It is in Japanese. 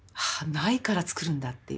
「ないからつくるんだ」っていう。